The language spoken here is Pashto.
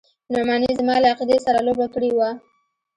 نعماني زما له عقيدې سره لوبه کړې وه.